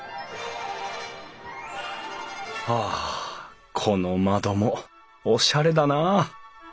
あこの窓もおしゃれだな。